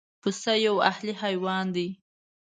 پسه یو اهلي حیوان دی.